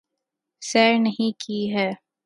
سیر نہیں کی ہے